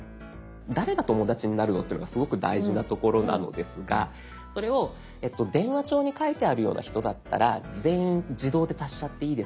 誰が友だちになるのっていうのがすごく大事なところなのですがそれを「電話帳に書いてあるような人だったら全員自動で足しちゃっていいですか？」